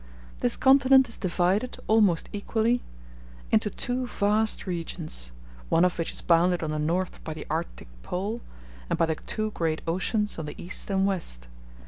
This continent is divided, almost equally, into two vast regions, one of which is bounded on the north by the Arctic Pole, and by the two great oceans on the east and west.